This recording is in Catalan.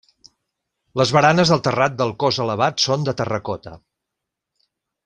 Les baranes del terrat del cos elevat són de terracota.